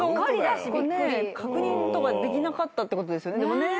確認とかできなかったってことですよね。